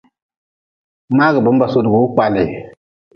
Mngagʼbe-n ba suhdgi wii kpala.